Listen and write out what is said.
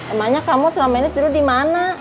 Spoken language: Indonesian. emangnya kamu selama ini tidur di mana